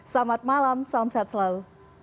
selamat malam salam sehat selalu